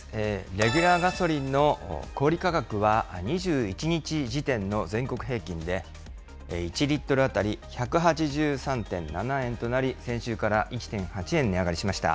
レギュラーガソリンの小売り価格は、２１日時点の全国平均で、１リットル当たり１８３．７円となり、先週から１．８円値上がりしました。